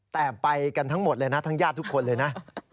แต้มไปทั้งแยดทุกคนเลยนะ